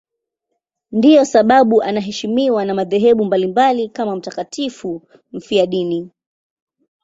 Ndiyo sababu anaheshimiwa na madhehebu mbalimbali kama mtakatifu mfiadini.